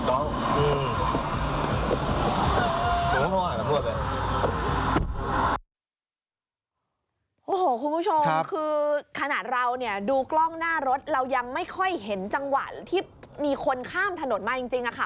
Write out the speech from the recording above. โอ้โหคุณผู้ชมคือขนาดเราเนี่ยดูกล้องหน้ารถเรายังไม่ค่อยเห็นจังหวะที่มีคนข้ามถนนมาจริงค่ะ